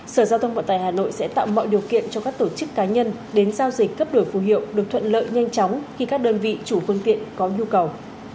sở giao thông vận tài hà nội sẽ tạo mọi điều kiện cho các tổ chức cá nhân đến giao dịch cấp đổi phù hiệu được thuận lợi nhanh chóng khi các đơn vị chủ phương tiện có nhu cầu